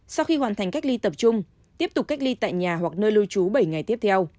sau khi hoàn thành cách ly tập trung tiếp tục cách ly tại nhà hoặc nơi lưu trú bảy ngày tiếp theo